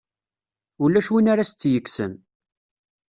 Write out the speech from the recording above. Ulac win ara s-tt-yekksen.